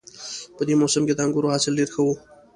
په دې موسم کې د انګورو حاصل ډېر ښه وي